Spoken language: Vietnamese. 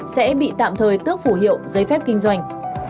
sẽ bị tạm thời tước phủ hiệu giấy phép kinh doanh